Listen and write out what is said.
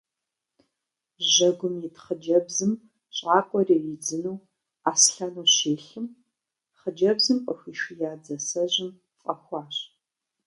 Жьэгум ит хъыджэбзым щӏакӏуэр иридзыну аслъэну щилъым, хъыджэбзым къыхуишия дзасэжьым фӏэхуащ.